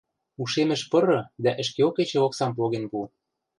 «Ушемӹш пыры дӓ ӹшкеок эче оксам поген пу.